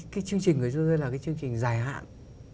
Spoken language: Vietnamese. cái chương trình của chúng tôi là cái chương trình dài hạn